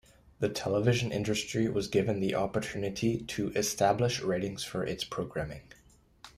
The television industry was given the opportunity to establish ratings for its programming.